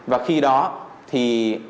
và khi đó thì